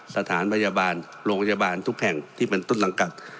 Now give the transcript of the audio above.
สถานพยาบาลโรงพยาบาลทุกแห่งที่เป็นต้นสังกัด